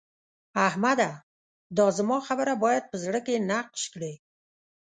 احمده! دا زما خبره بايد په زړه کې نقش کړې.